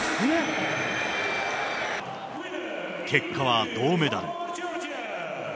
結果は銅メダル。